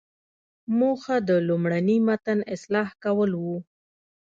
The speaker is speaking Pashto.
موخه د لومړني متن اصلاح کول وو.